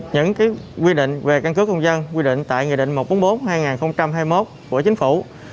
những quy định về căn cước công dân quy định tại nghị định một trăm bốn mươi bốn hai nghìn hai mươi một của chính phủ